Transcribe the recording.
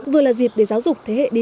vừa là dịp để giáo dục thế hệ đi